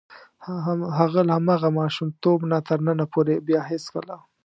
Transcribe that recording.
هغه له هماغه ماشومتوب نه تر ننه پورې بیا هېڅکله.